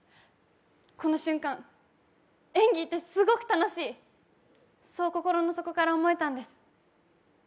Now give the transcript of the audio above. この瞬間、演技ってすごく楽しい、そう心の底から思えたんです。